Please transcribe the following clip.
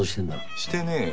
してねえよ。